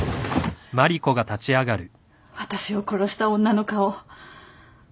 私を殺した女の顔。